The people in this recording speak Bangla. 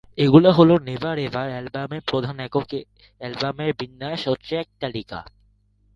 এগুলো হল "নেভার এভার" অ্যালবামের প্রধান একক অ্যালবামের বিন্যাস ও ট্র্যাক তালিকা।